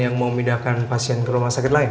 yang mau pindahkan pasien ke rumah sakit lain